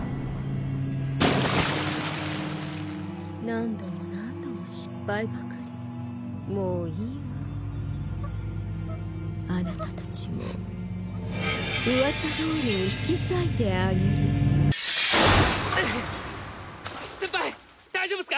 何度も何度も失敗ばかりもういいわあおあなた達も噂どおりに引き裂いてあげるぐっ！